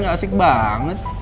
gak asik banget